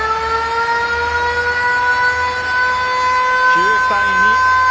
９対２。